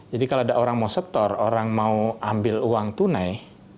jadi kalau ada orang mau setor orang mau ambil uang tunai